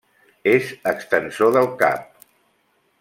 És extensor del cap.